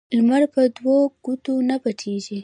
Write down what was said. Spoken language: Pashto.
لمر په دوو ګوتو نه پوټیږی.